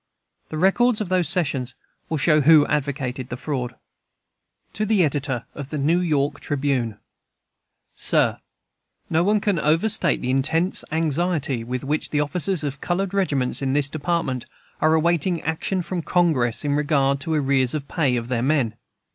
The records of those sessions will show who advocated the fraud. To the Editor of the New York Tribune: SIR, No one can overstate the intense anxiety with which the officers of colored regiments in this Department are awaiting action from Congress in regard to arrears of pay of their men.